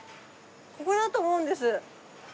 ここだと思うんです。